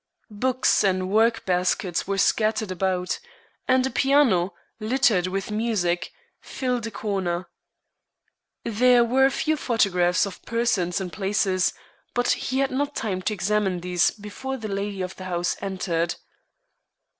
Books and work baskets were scattered about, and a piano, littered with music, filled a corner. There were a few photographs of persons and places, but he had not time to examine these before the lady of the house entered.